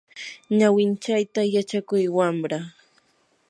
ñawinchayta yachakuy wamra.